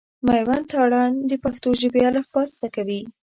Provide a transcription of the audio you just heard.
مېوند تارڼ د پښتو ژبي الفبا زده کوي.